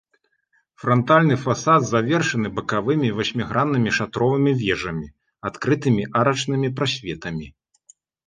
Франтальны фасад завершаны бакавымі васьміграннымі шатровымі вежамі, адкрытымі арачнымі прасветамі.